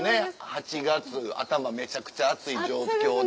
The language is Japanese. ８月頭めちゃくちゃ暑い状況で。